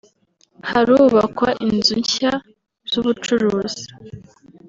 harubakwa inzu nshya z’ubucuruzi